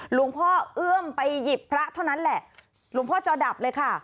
หลวงพ่อเอื้อมไปหยิบพระเท่านั้นแหละหลวงพ่อจอดับเลยค่ะ